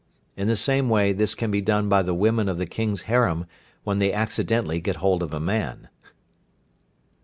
In the same way this can be done by the women of the King's harem when they accidentally get hold of a man.